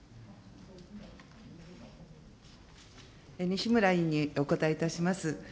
西村委員にお答えいたします。